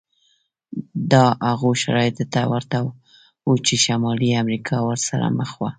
دا هغو شرایطو ته ورته و چې شمالي امریکا ورسره مخ وه.